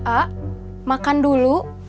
ah makan dulu